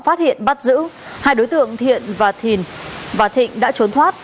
phát hiện bắt giữ hai đối tượng thiện và thịnh đã trốn thoát